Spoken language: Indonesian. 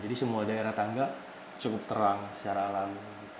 jadi semua daerah tangga cukup terang secara alami